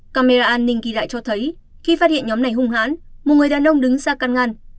camera an ninh ghi lại cho thấy khi phát hiện nhóm này hung hãn một người đàn ông đứng ra can ngăn